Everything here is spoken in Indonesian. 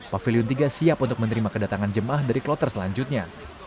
pavilion tiga siap untuk menerima kedatangan jemaah dari kloter selanjutnya